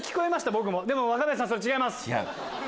僕もでも若林さんそれ違います。